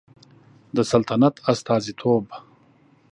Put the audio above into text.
د سلطنت استازیتوب